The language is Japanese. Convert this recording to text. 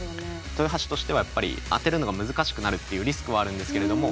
豊橋としてはやっぱり当てるのが難しくなるっていうリスクはあるんですけれども。